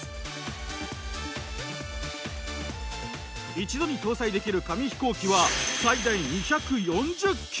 一度に搭載できる紙飛行機は最大２４０機。